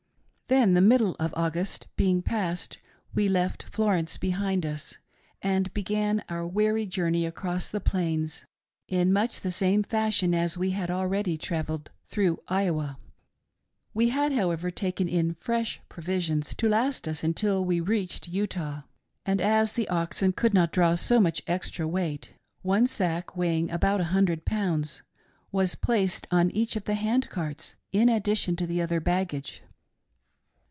" Then — the middle of August being passed — we left Flor ence behind us, and began our weary journiey across the Plains in much the same fashion as we had already travelled through Iowa. We had, however, taken in fresh provisions to last us itntil we reached Utah, and as the oxen could not draw so much extra weight, one sack, weighing about a hun dred pounds, was placed on each of the hand carts, in addi tion to the other baggage..